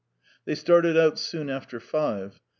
They started out soon after five.